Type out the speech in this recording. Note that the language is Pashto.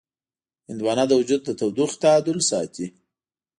هندوانه د وجود د تودوخې تعادل ساتي.